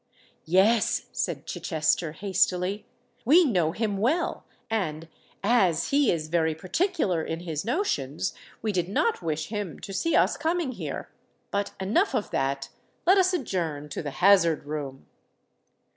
"Yes," said Chichester, hastily; "we know him well—and, as he is very particular in his notions, we did not wish him to see us coming here. But, enough of that—let us adjourn to the Hazard Room."